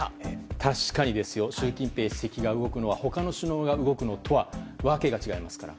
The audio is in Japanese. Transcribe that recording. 確かに、習近平主席が動くのは他の首脳が動くのとは訳が違いますから。